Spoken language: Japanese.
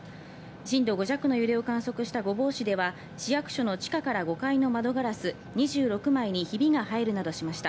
震度５弱の揺れを観測した御坊市では、市役所の地下から５階の窓ガラス２６枚にヒビが入るなどしました。